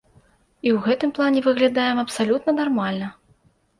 І ў гэтым плане выглядаем абсалютна нармальна.